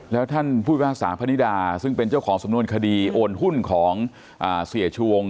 แล้วท่านผู้พิพากษาพนิดาซึ่งเป็นเจ้าของสำนวนคดีโอนหุ้นของเสียชวง